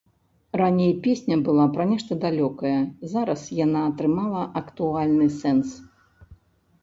Раней песня была пра нешта далёкае, зараз яна атрымала актуальны сэнс.